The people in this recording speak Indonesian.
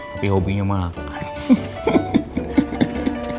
tapi hobinya makan